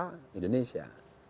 ibu kota indonesia